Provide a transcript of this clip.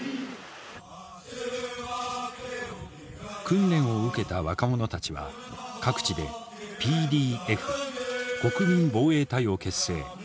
訓練を受けた若者たちは各地でＰＤＦ国民防衛隊を結成。